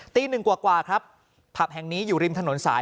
ตีหนึ่งกว่าครับผับแห่งนี้อยู่ริมถนนสาย